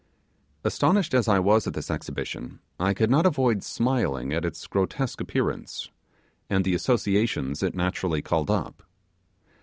Astonished as I was at this exhibition, I could not avoid smiling at its grotesque appearance, and the associations it naturally called up.